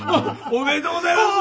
おめでとうございます。